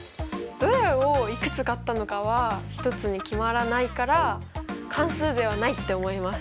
どれをいくつ買ったのかは１つに決まらないから関数ではないって思います。